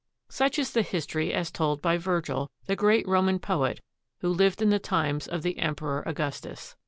Such is the story as told by Virgil, the great Roman poet who lived in the times of the Emperor Augustus.